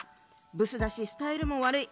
「ブスだし、スタイルも悪い。